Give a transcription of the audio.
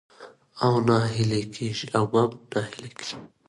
او مه ناهيلي کېږئ